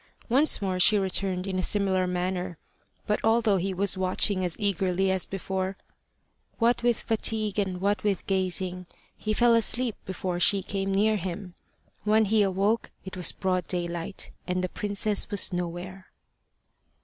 Once more she returned in a similar manner; but although he was watching as eagerly as before, what with fatigue and what with gazing, he fell fast asleep before she came near him. When he awoke it was broad daylight, and the princess was nowhere.